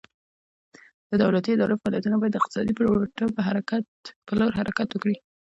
د دولتي ادارو فعالیتونه باید د اقتصادي پیاوړتیا په لور حرکت وکړي.